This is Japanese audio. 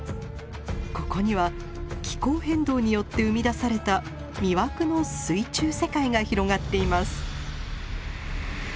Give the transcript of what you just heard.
ここには気候変動によって生み出された魅惑の水中世界が広がっています。